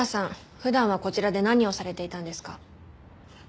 普段はこちらで何をされていたんですか？